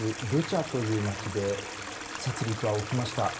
ブチャという街で殺戮は起きました。